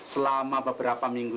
selama beberapa minggu